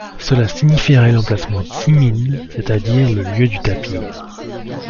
Cela signifierait l'emplacement Tzimin, c'est-à-dire le lieu du tapir.